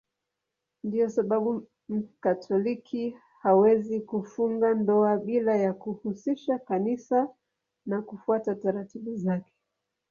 Ndiyo sababu Mkatoliki hawezi kufunga ndoa bila ya kuhusisha Kanisa na kufuata taratibu zake.